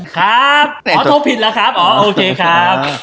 ครับอ๋อโทรผิดแล้วครับอ๋อโอเคครับ